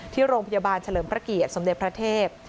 ที่โรงพยาบาลเฉลิมพระเกียรติสมเด็จพระเทพ